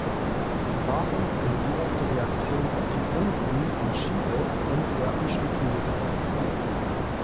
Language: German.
Sie waren eine direkte Reaktion auf die Unruhen in Chile und ihr anschließendes Exil.